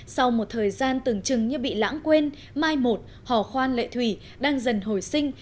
sau một thời gian tưởng chừng như bị lãng quên mai một hò khoan lệ thủy đang dần hồi sinh